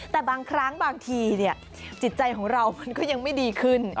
แต่บางครั้งบางทีจิตใจของเรามันก็ยังไม่ดีขึ้น